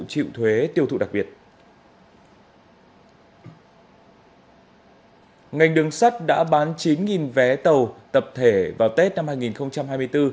chịu thuế tiêu thụ đặc biệt ngành đường sắt đã bán chín vé tàu tập thể vào tết năm hai nghìn hai mươi bốn